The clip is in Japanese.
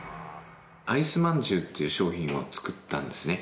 アイスまんじゅうっていう商品を作ったんですね。